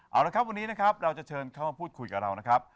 เอาละครับวันนี้นะครับเราจะเชิญเข้ามาพูดคุยกับเรานะครับ